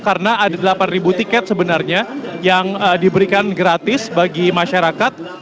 karena ada delapan tiket sebenarnya yang diberikan gratis bagi masyarakat